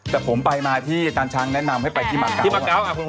แต่ผมไปมาที่อาจารย์ช้างแนะนำให้ไปที่มาเกาะ